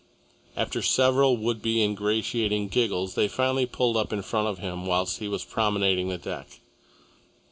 After several would be ingratiating giggles, they finally pulled up in front of him whilst he was promenading the deck.